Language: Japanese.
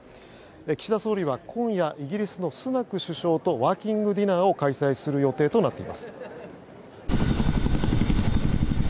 岸田総理は今夜イギリスのスナク首相とワーキングディナーを開催する予定となっています。